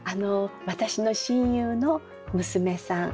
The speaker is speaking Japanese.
私の親友の娘さん